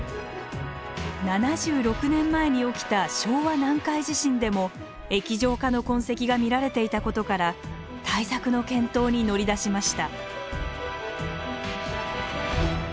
７６年前に起きた昭和南海地震でも液状化の痕跡が見られていたことから対策の検討に乗り出しました。